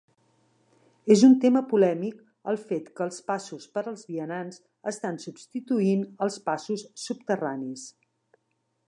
És un tema polèmic el fet que els passos per als vianants estan substituint els passos subterranis.